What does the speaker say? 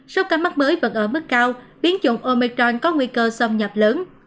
sốc cánh mắt mới vẫn ở mức cao biến chủng omicron có nguy cơ xâm nhập lớn